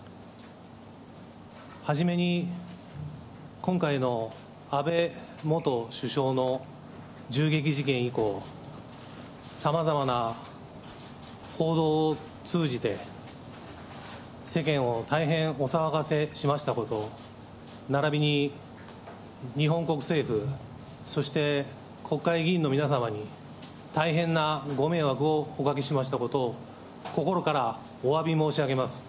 初めに、今回の安倍元首相の銃撃事件以降、さまざまな報道を通じて、世間を大変お騒がせしましたこと、ならびに、日本国政府、そして国会議員の皆様に、大変なご迷惑をおかけしましたことを、心からおわび申し上げます。